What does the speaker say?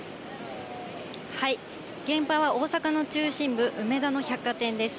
現場は大阪の中心部、うめだの百貨店です。